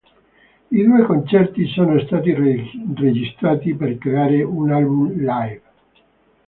I due concerti sono stati registrati per creare un album live.